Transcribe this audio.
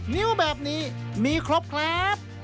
นิ้วแบบนี้มีครบครับ